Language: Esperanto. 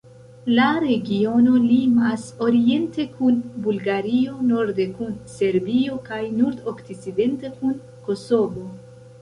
La regiono limas oriente kun Bulgario, norde kun Serbio kaj nordokcidente kun Kosovo.